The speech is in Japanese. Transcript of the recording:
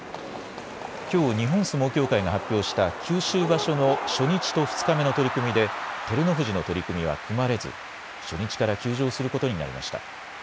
きょう、日本相撲協会が発表した九州場所の初日と２日目の取組で、照ノ富士の取組は組まれず、初日から休場することになりました。